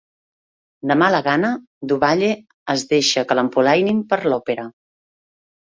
De mala gana, Duvalle es deixa que l'empolainin per a l'òpera.